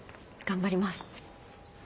頑張ります。